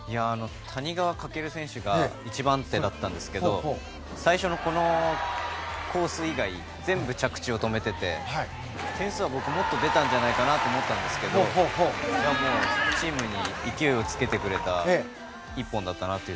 谷川翔選手が一番手だったんですけど最初の技以外は全部着地を止めていて点数はもっと出たんじゃないかと僕、思っていたんですけど日本チームに勢いをつけてくれた１本だったなと。